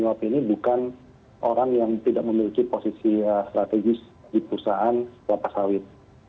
nah jadi memang saya mengatakan kalau penyulap ini bukan orang yang tidak memiliki posisi strategis di perusahaan lapas sawit